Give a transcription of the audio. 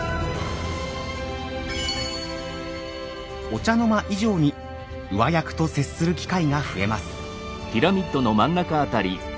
御茶之間以上に上役と接する機会が増えます。